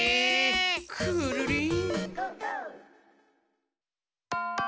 くるりん。